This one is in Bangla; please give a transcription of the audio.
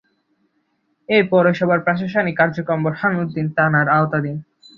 এ পৌরসভার প্রশাসনিক কার্যক্রম বোরহানউদ্দিন থানার আওতাধীন।